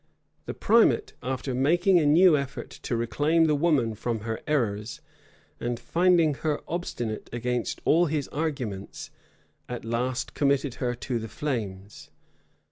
The primate, after making a new effort to reclaim the woman from her errors, and finding her obstinate against all his arguments, at last committed her to the flames.